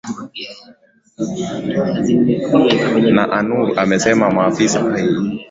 na anur amesema maafisa walojitambulisha kuwa wanatoka katika kitengo cha usalama cha nchi hiyo